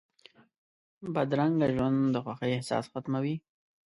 بدرنګه ژوند د خوښۍ احساس ختموي